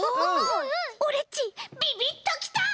オレっちビビッときた！